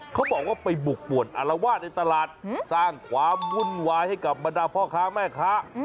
เขาบอกว่าไปบุกป่วนอารวาสในตลาดสร้างความวุ่นวายให้กับบรรดาพ่อค้าแม่ค้า